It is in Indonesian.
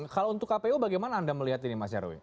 kalau untuk kpu bagaimana anda melihat ini mas nyarwi